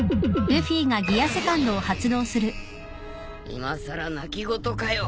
いまさら泣き言かよ！